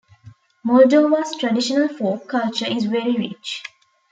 Moldova's traditional folk culture is very rich.